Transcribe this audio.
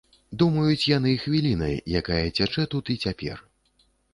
Думаюць яны хвілінай, якая цячэ тут і цяпер.